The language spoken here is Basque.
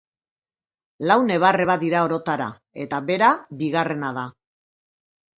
Lau neba-arreba dira orotara eta bera bigarrena da.